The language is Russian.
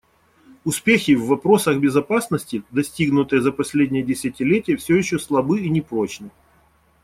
Успехи в вопросах безопасности, достигнутые за последнее десятилетие, все еще слабы и непрочны.